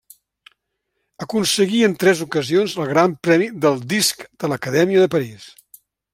Aconseguí en tres ocasions el gran premi del Disc de l'Acadèmia de París.